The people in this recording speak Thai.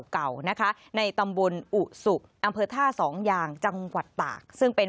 เก่านะคะในตำบลอุสุอำเภอท่าสองอย่างจังหวัดตากซึ่งเป็น